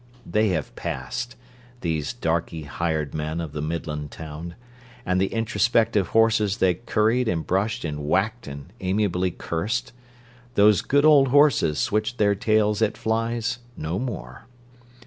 They have passed, those darky hired men of the Midland town; and the introspective horses they curried and brushed and whacked and amiably cursed—those good old horses switch their tails at flies no more.